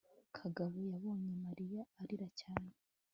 kagabo yabonye mariya arira cyane